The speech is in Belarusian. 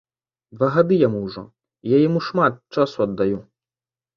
Два гады яму ўжо, і я яму шмат часу аддаю.